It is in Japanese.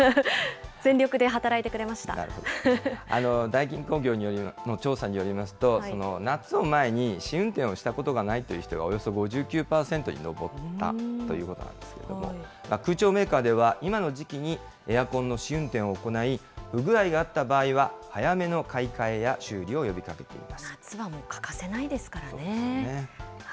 ダイキン工業の調査によりますと、夏を前に、試運転をしたことがないという人が、およそ５９％に上ったということなんですけれども、空調メーカーでは、今の時期にエアコンの試運転を行い、不具合があった場合は早めの買い替えや修理を呼び夏はもう欠かせないですからそうですね。